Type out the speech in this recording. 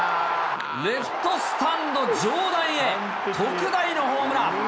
レフトスタンド上段へ、特大のホームラン。